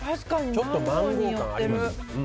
ちょっとマンゴー感ありますね。